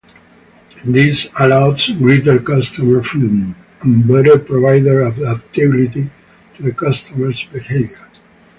This allows greater customer freedom, and better provider adaptability to the customers' behavior.